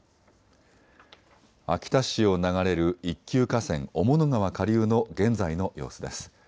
秋田市を流れる一級河川、雄物川下流の現在の様子です。